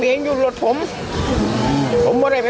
ฟังลูกครับ